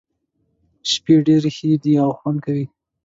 شپې ډېرې ښې دي او خوند کوي.